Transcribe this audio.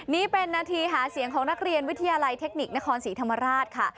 นี่เป็นนาทีหาเสียงของนักเรียนวิทยาลัยเทคนิคนครศรีธรรมราชค่ะ